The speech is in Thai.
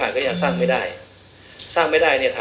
ความสร้างไม่ได้